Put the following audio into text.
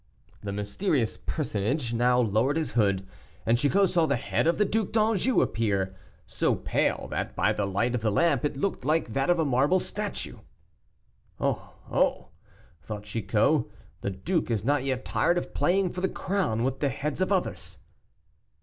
The mysterious personage now lowered his hood, and Chicot saw the head of the Duc d'Anjou appear, so pale that, by the light of the lamp, it looked like that of a marble statue. "Oh, oh!" thought Chicot, "the duke is not yet tired of playing for the crown with the heads of others!"